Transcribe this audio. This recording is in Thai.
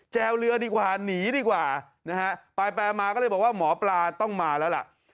แววเรือดีกว่าหนีดีกว่านะฮะไปมาก็เลยบอกว่าหมอปลาต้องมาแล้วล่ะ